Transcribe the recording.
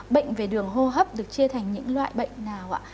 bệnh về đường hô hấp được chia thành những loại bệnh nào ạ